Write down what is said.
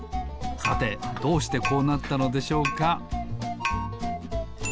さてどうしてこうなったのでしょうか？